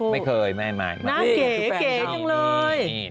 น่าเก๋จังเลย